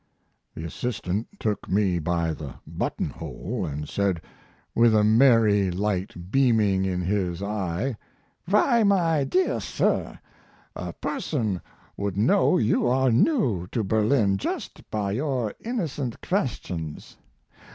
The assistant took me by the buttonhole & said, with a merry light beaming in his eye: "Why, my dear sir, a person would know you are new to Berlin just by your innocent questions.